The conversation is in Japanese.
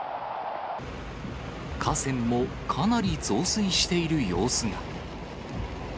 河川もかなり増水している様子が。